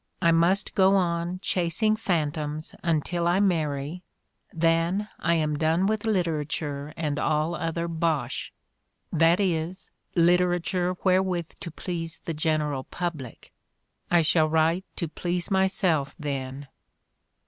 I must go on chasing [phantoms] until I marry, then I am done with literature and all other bosh — that is, literature wherewith to please the general public. I shall write to please myself then."